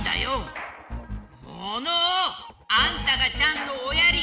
モノオ！あんたがちゃんとおやり！